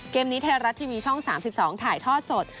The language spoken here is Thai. เกมนี้ไทยรัฐทีวีช่อง๓๒ถ่ายทอดสด